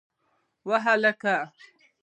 وه هلکه!